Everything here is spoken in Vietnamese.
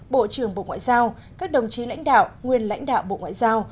bộ trưởng bộ ngoại giao các đồng chí lãnh đạo nguyên lãnh đạo bộ ngoại giao